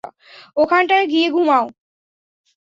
ওখানটায় গিয়ে ঘুমাও।